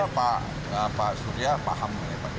ya saya kira pak surya paham